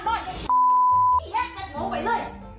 นอนไอ้แยะกันโมไปเลย